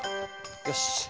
よし。